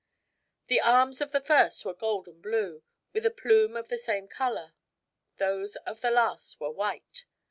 The arms of the first were gold and blue, with a plume of the same color; those of the last were white.